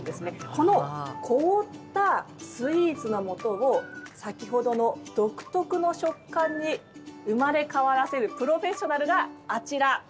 この凍ったスイーツのもとを先ほどの独特の食感に生まれ変わらせるプロフェッショナルが、あちら。